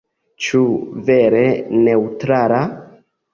Ĉu vere neŭtrala?